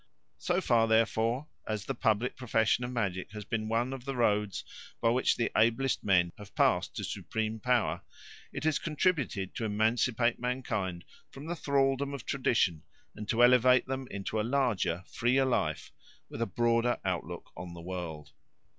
So far, therefore, as the public profession of magic has been one of the roads by which the ablest men have passed to supreme power, it has contributed to emancipate mankind from the thraldom of tradition and to elevate them into a larger, freer life, with a broader outlook on the world.